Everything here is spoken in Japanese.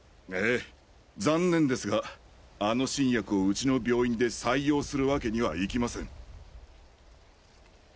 ええ残念ですがあの新薬をうちの病院で採用するわけにはいきません。